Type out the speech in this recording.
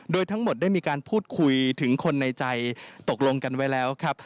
โดยทั้งหมดได้มีการพูดคุยถึงคนในใจตกลงกันไว้แล้วครับ